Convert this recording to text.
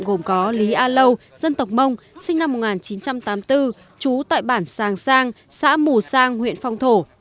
gồm có lý a lâu dân tộc mông sinh năm một nghìn chín trăm tám mươi bốn trú tại bản sàng sang xã mù sang huyện phong thổ